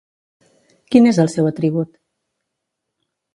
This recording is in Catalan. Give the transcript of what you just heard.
Quin és el seu atribut?